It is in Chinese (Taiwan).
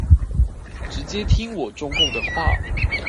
直接聽我中共的話